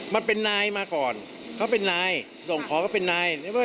มันเป็นนายมาก่อนเขาเป็นนายส่งขอก็เป็นนาย